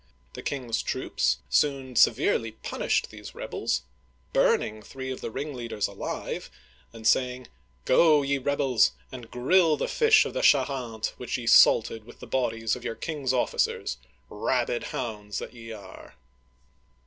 The king's troops soon severely punished these rebels, burning three of the ringleaders alive, and saying, " Go, ye rebels, and grill the fish of the Charente, which ye salted with the bodies of your king's officers, rabid hounds that ye are